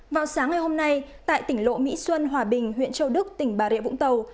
vào sáng ngày hôm nay tại tỉnh lộ mỹ xuân hòa bình huyện châu đức tỉnh bà rịa vũng tàu